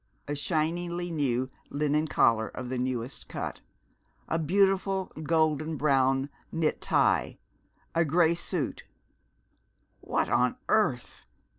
A shiningly new linen collar of the newest cut, a beautiful golden brown knit tie, a gray suit "What on earth?"